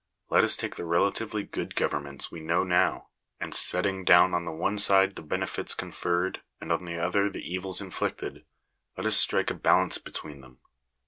Let us take the relatively good governments we now know, and setting down on the one side the benefits conferred, and on the other the evils inflicted, let us strike a balance between them.